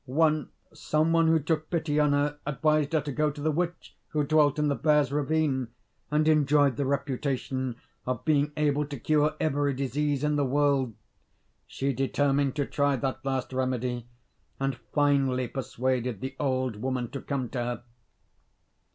Once some one who took pity on her advised her to go to the witch who dwelt in the Bear's ravine, and enjoyed the reputation of being able to cure every disease in the world. She determined to try that last remedy: and finally persuaded the old woman to come to her.